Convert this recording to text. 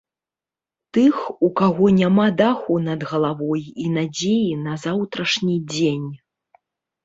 Тых, у каго няма даху над галавой і надзеі на заўтрашні дзень.